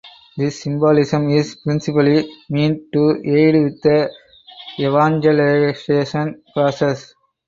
This symbolism is principally meant to aid with the evangelization process.